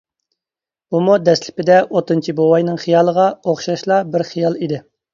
بۇمۇ دەسلىپىدە ئوتۇنچى بوۋاينىڭ خىيالىغا ئوخشاشلا بىر خىيال ئىدى.